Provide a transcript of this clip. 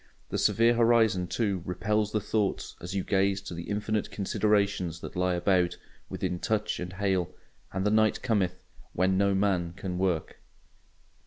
The severe horizon, too, repels the thoughts as you gaze to the infinite considerations that lie about, within touch and hail; and the night cometh, when no man can work.